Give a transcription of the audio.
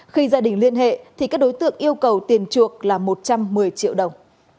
khi gia đình liên hệ thì các đối tượng yêu cầu tiền chuộc là một trăm một mươi triệu đồng